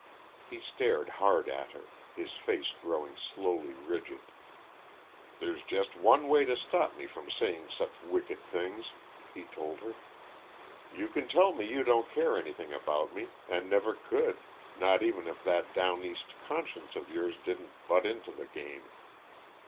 He stared hard at her, his face growing slowly rigid. "There's just one way to stop me from saying such wicked things," he told her. "You can tell me you don't care anything about me, and never could, not even if that down east conscience of yours didn't butt into the game.